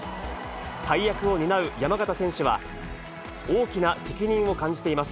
大役を担う山縣選手は、大きな責任を感じています。